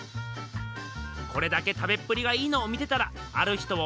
これだけ食べっぷりがいいのを見てたらある人を思い出したっす。